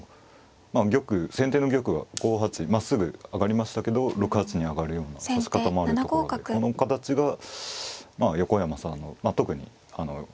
玉先手の玉が５八まっすぐ上がりましたけど６八に上がるような指し方もあるところでこの形が横山さんの特に多く指されてる形で。